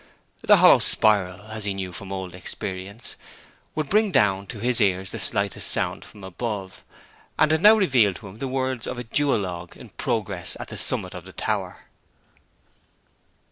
The hollow spiral, as he knew from old experience, would bring down to his ears the slightest sound from above; and it now revealed to him the words of a duologue in progress at the summit of the tower.